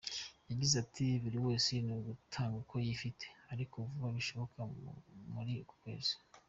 Yagize ati :”Buri wese ni ugutanga uko yifite ariko vuba bishoboka muri uku kwezi.